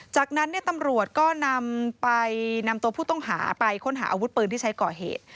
จากนั้นตำรวจก็นำไปนำตัวผู้ต้องหาไปค้นหาอาวุธปืนที่ใช้ก่อเหตุ